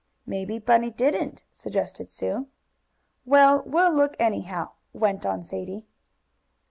"Maybe Bunny didn't," suggested Sue. "Well, we'll look, anyhow," went on Sadie.